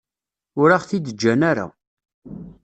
Ur aɣ-t-id-ǧǧan ara.